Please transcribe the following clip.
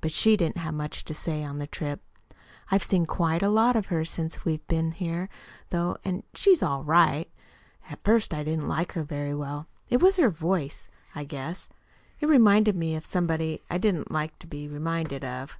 But she didn't have much to say on the trip. I've seen quite a lot of her since we've been here, though, and she's ALL RIGHT. At first I didn't like her very well. It was her voice, I guess. It reminded me of somebody I didn't like to be reminded of.